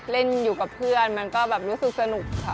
เล่นอยู่กับเพื่อนมันก็แบบรู้สึกสนุกค่ะ